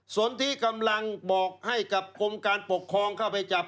ส่วนที่กำลังบอกให้กับกรมการปกครองเข้าไปจับ